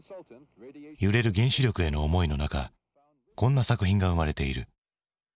揺れる原子力への思いの中こんな作品が生まれている。